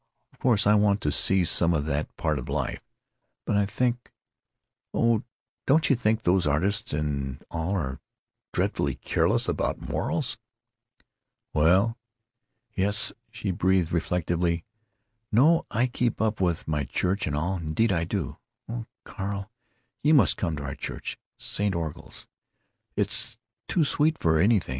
Of course I want to see some of that part of life, but I think——Oh, don't you think those artists and all are dreadfully careless about morals?" "Well——" "Yes," she breathed, reflectively. "No, I keep up with my church and all—indeed I do. Oh, Carl, you must come to our church—St. Orgul's. It's too sweet for anything.